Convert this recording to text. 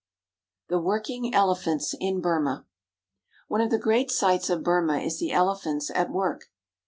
THE WORKING ELEPHANTS IN BURMA ONE of the great sights of Burma is the elephants at work.